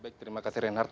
terima kasih reinhard